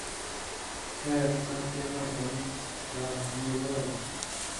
تکایە قسەم پێ مەبڕن، با هەمووی بڵێم.